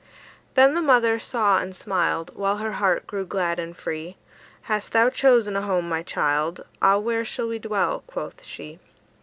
Then the mother saw and smiled, While her heart grew glad and free. "Hast thou chosen a home, my child? Ah, where shall we dwell?" quoth she.